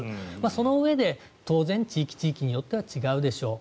そのうえで当然地域地域によっては違うでしょう